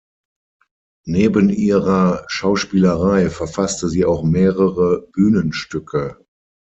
Neben ihrer Schauspielerei verfasste sie auch mehrere Bühnenstücke.